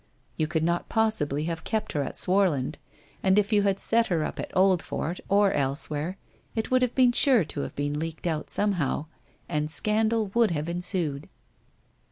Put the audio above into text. You could not possibly have kept her at Swarland, and if you had set her up at Oldfort or elsewhere, it would have been sure to have leaked out somehow, and scandal would have ensued.'